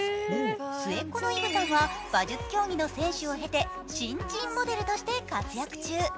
末っ子のイヴさんは馬術競技の選手を経て新人モデルとして活躍中。